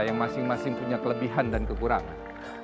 yang masing masing punya kelebihan dan kekurangan